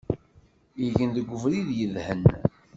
Igen deg ubrid yedhen.